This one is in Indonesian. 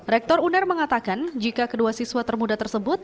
rektor uner mengatakan jika kedua siswa termuda tersebut